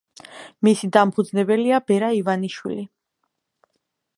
მისი დამფუძნებელია ბერა ივანიშვილი.